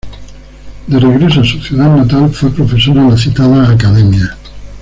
De regreso a su ciudad natal, fue profesor en la citada Academia.